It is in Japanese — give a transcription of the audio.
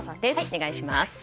お願いします。